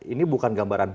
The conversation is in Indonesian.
ini bukan gambaran